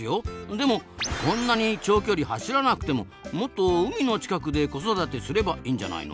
でもこんなに長距離走らなくてももっと海の近くで子育てすればいいんじゃないの？